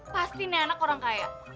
pasti nenek orang kaya